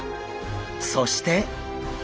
そして！